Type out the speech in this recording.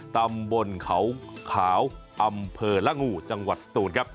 ตำบลเขาขาวอำเภอละงูจังหวัดสตูนครับ